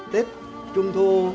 tết trung thu